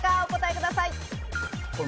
お答えください。